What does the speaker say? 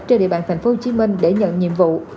trên địa bàn thành phố hồ chí minh để nhận nhiệm vụ